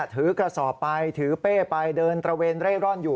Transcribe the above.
ถือกระสอบไปถือเป้ไปเดินตระเวนเร่ร่อนอยู่